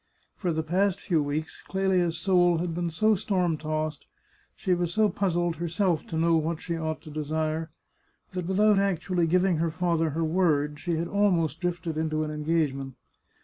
For the past few weeks, Clelia's soul had been so storm tossed, she was so puzzled, herself, to know what she ought to desire, that without actually giving her father her word, she had almost drifted into an engagement.